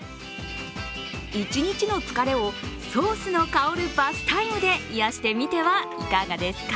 １日の疲れをソースの香るバスタイムで癒してみてはいかがですか。